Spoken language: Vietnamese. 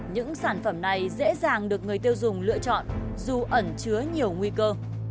những sản phẩm này dễ dàng được người tiêu dùng lựa chọn dù ẩn chứa nhiều nguy cơ